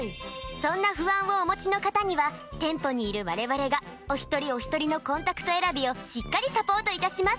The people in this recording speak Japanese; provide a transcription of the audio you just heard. そんな不安をお持ちの方には店舗にいる我々がお一人お一人のコンタクト選びをしっかりサポートいたします！